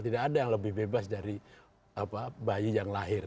tidak ada yang lebih bebas dari bayi yang lahir